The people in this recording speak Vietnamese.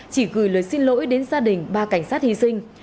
chỉ gửi lời xin lỗi đến gia đình ba cảnh sát hy sinh